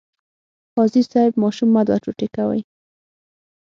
قاضي صیب ماشوم مه دوه ټوټې کوئ.